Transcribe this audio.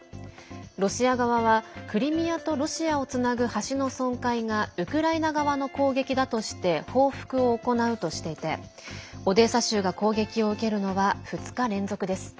ロシア側は、クリミアとロシアをつなぐ橋の損壊がウクライナ側の攻撃だとして報復を行うとしていてオデーサ州が攻撃を受けるのは２日連続です。